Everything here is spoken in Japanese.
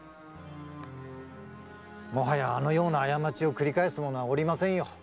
もはやあのような過ちを繰り返す者はおりませんよ。